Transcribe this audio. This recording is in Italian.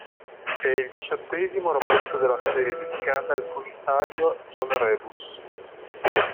È il diciottesimo romanzo della serie dedicata al commissario John Rebus.